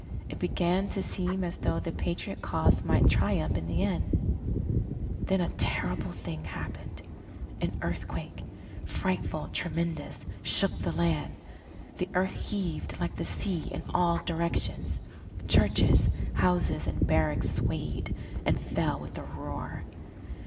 It began to seem as though the Patriot cause might triumph in the end. Then a terrible thing happened. An earthquake frightful, tremendous shook the land. The earth heaved like the sea in all directions. Churches, houses, and barracks swayed, and fell with a roar.